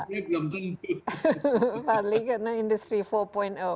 pak dodi karena industri empat